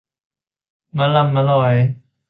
มะลำมะลอย